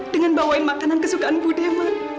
dengan bawain makanan kesukaan budi man